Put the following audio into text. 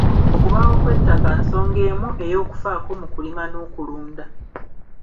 Okubaawo kw'ettaka nsonga emu ey'okufaako mu kulima n'okulunda.